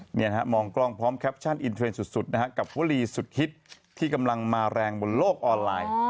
เนี่ยนะฮะมองกล้องพร้อมแคปชั่นอินเทรนด์สุดนะฮะกับวลีสุดฮิตที่กำลังมาแรงบนโลกออนไลน์